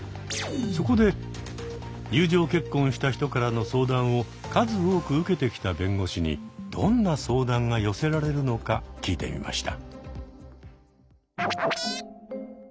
そこで友情結婚した人からの相談を数多く受けてきた弁護士にどんな相談が寄せられるのか聞いてみました。